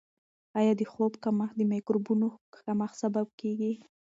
آیا د خوب کمښت د مایکروبونو کمښت سبب کیږي؟